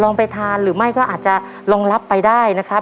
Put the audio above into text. ไปทานหรือไม่ก็อาจจะรองรับไปได้นะครับ